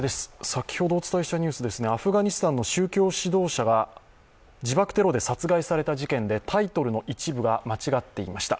先ほどお伝えしたニュース、アフガニスタンの宗教指導者が自爆テロで殺害された事件でタイトルの一部が間違っていました。